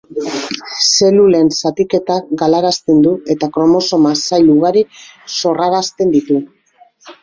Zelulen zatiketa galarazten du eta kromosoma sail ugari sorrarazten ditu.